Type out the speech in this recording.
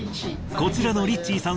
こちらのリッチーさん